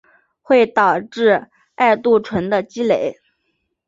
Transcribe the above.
会导致艾杜醇的积累。